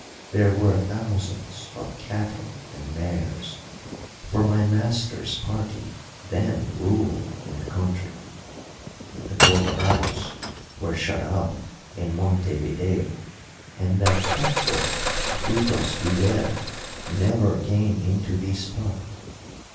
There were thousands of cattle and mares; for my master's party then ruled in the country; the Colorados were shut up in Montevideo, and that cut throat Frutos Rivera never came into this part.